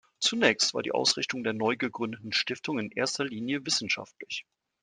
Zunächst war die Ausrichtung der neu gegründeten Stiftung in erster Linie wissenschaftlich.